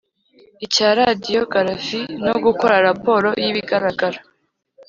icya radiyo garafi no gukora raporo y ibigaragara